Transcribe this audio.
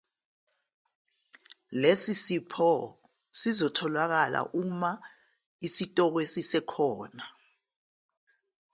Lesi sipho sizotholakala uma isitokwe sisekhona.